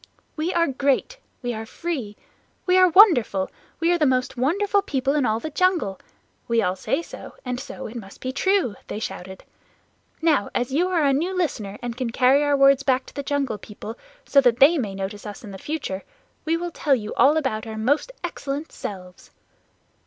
"We are great. We are free. We are wonderful. We are the most wonderful people in all the jungle! We all say so, and so it must be true," they shouted. "Now as you are a new listener and can carry our words back to the Jungle People so that they may notice us in future, we will tell you all about our most excellent selves."